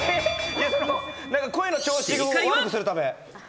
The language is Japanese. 声の調子を悪くするため。